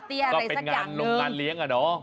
ก็เป็นงานโรงงานเลี้ยงอะเนาะ